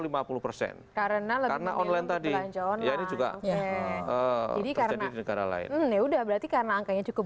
karena karena online tadi ya ini juga jadi karena negara lain ya udah berarti karena angkanya cukup